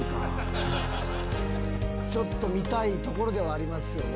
ちょっと見たいところではありますよね。